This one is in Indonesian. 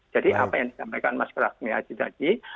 jadi apa yang disampaikan mas rasmi haji tadi